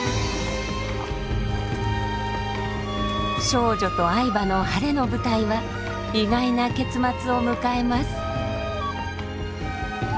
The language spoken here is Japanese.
少女と愛馬の晴れの舞台は意外な結末を迎えます。